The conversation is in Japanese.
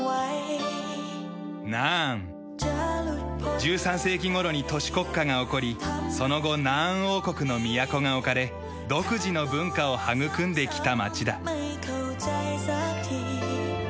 １３世紀頃に都市国家が興りその後ナーン王国の都が置かれ独自の文化を育んできた町だ。